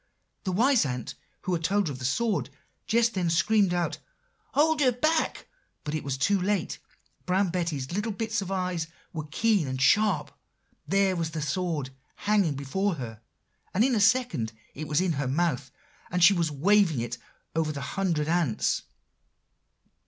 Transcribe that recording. The wise ant who had told her of the sword, just then screamed out, 'Hold her back!' but it was too late; Brown Betty's little bits of eyes were keen and sharp; there was the sword, hanging before her; and in a second it was in her mouth, and she was waving it over the hundred ants.